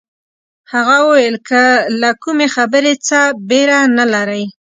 هغه وویل که له کومې خبرې څه بېره نه لرئ.